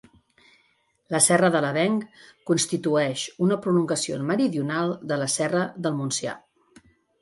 La serra de l'Avenc constitueix una prolongació meridional de la Serra del Montsià.